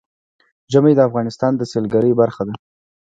ژمی د افغانستان د سیلګرۍ برخه ده.